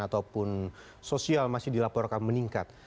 ataupun sosial masih dilaporkan meningkat